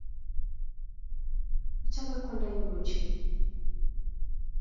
Achame kwandanyu ochei